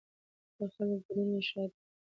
د خلکو ګډون مشروعیت دی